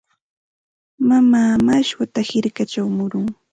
Mamaa mashwata hirkachaw murun.